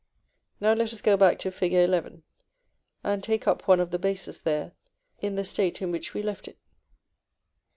Now let us go back to Fig. XI., and take up one of the bases there, in the state in which we left it.